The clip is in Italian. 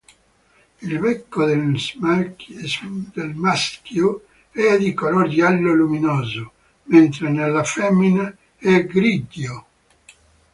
Il becco del maschio è di color giallo luminoso, mentre nella femmina è grigio.